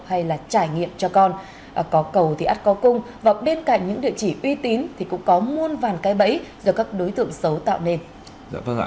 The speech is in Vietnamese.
hay là trải nghiệm cho con có cầu thì át có cung và bên cạnh những địa chỉ uy tín thì cũng có muôn vàn cái bẫy do các đối tượng xấu tạo nên